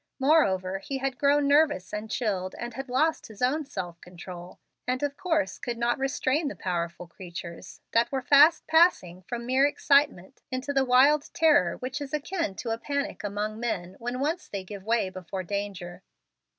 Moreover, he had grown nervous and chilled and had lost his own self control, and of course could not restrain the powerful creatures that were fast passing from mere excitement into the wild terror which is akin to a panic among men when once they give way before danger.